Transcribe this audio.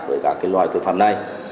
với các loại tội phạm này